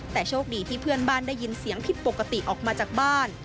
แต่โชคดีที่เพื่อนบ้านได้ยินเสียงผิดปกติออกมาจากบ้าน